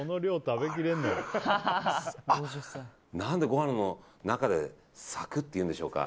ご飯の中でサクッていうんでしょうか。